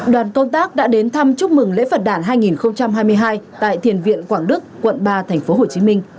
đoàn công tác đã đến thăm chúc mừng lễ phật đảng hai nghìn hai mươi hai tại thiền viện quảng đức quận ba tp hcm